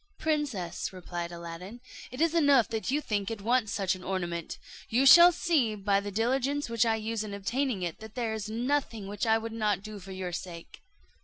"Princess," replied Aladdin, "it is enough that you think it wants such an ornament; you shall see by the diligence which I use in obtaining it, that there is nothing which I would not do for your sake."